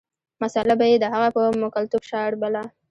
مساله به یې د هغه په موکلتوب شاربله.